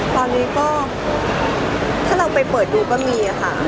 ตอนนี้ก็ถ้าเราไปเปิดดูก็มีค่ะ